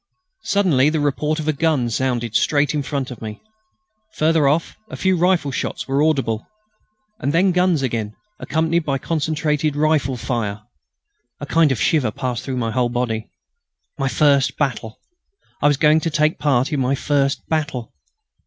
Suddenly the report of a gun sounded straight in front of me. Further off a few rifle shots were audible, and then guns again, accompanied by concentrated rifle fire. A kind of shiver passed through my whole body. My first battle! I was going to take part in my first battle!